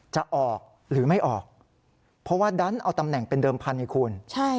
จะออกหรือไม่ออกเพราะว่าดันเอาตำแหน่งเป็นเดิมพันธุ์